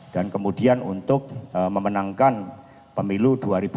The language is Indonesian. dan kemudian untuk memenangkan pemilu dua ribu dua puluh empat